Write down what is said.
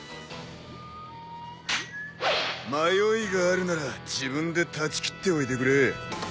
迷いがあるなら自分で断ち切っておいてくれ。